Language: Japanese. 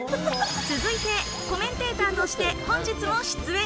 続いてコメンテーターとして本日も出演。